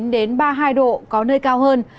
hai mươi chín đến ba mươi hai độ có nơi cao hơn